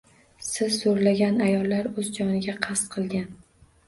Siz zo'rlagan ayollar o'z joniga qasd qilgan